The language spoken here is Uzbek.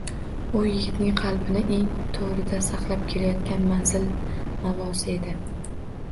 U yigitning qalbining eng toʻrida saqlab kelayotgan manzil-maʼvosi edi.